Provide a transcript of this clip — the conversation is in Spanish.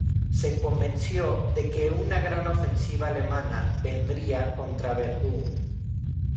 Se convenció de que una gran ofensiva alemana vendría contra Verdún.